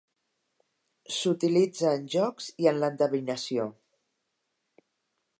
S'utilitza en jocs i en l'endevinació.